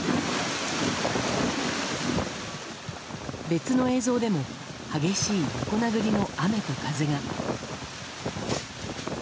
別の映像でも激しい横殴りの雨と風が。